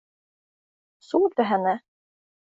Såg du henne?